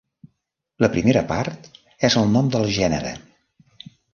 La primera part és el nom del gènere.